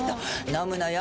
飲むのよ